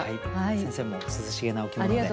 先生も涼しげなお着物で。